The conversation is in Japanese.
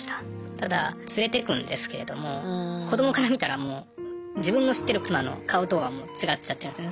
ただ連れてくんですけれども子どもから見たらもう自分の知ってる妻の顔とはもう違っちゃってるんですね。